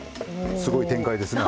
すごい展開ですね。